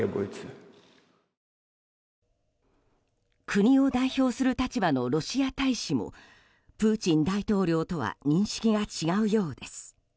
国を代表する立場のロシア大使もプーチン大統領とは認識が違うようです。